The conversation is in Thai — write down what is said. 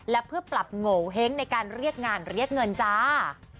และเพื่อปรับโงเห้งในการเรียกงานเรียกเงินจ้า